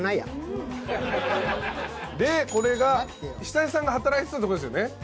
でこれが久恵さんが働いてたとこですよね。